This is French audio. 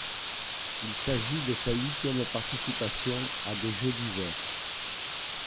Il s'agit de sa huitième participation à des Jeux d'hiver.